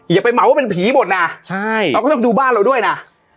อย่าไปเหมาว่าเป็นผีหมดนะใช่เราก็ต้องดูบ้านเราด้วยนะ